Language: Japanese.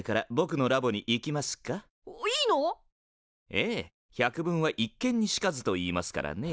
ええ「百聞は一見にしかず」と言いますからね。